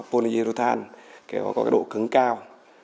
polyurethane có độ cứng cao